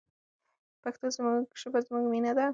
پښتو ژبه زموږ مینه ده.